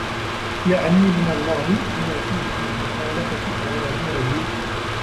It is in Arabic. يَعْنِي مِنْ اللَّهِ ؛ لِمَا فِيهِ مِنْ مُخَالَفَةِ أَوَامِرِهِ